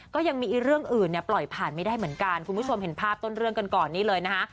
ก็ยังมีเรื่องอื่นเนี่ยปล่อยผ่านไม่ได้เหมือนกันคุณผู้ชมเห็นภาพต้นเรื่องกันก่อนนี่เลยนะคะ